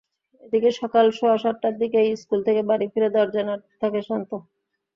এদিকে সকাল সোয়া সাতটার দিকেই স্কুল থেকে বাড়ি ফিরে দরজা নাড়তে থাকে শান্ত।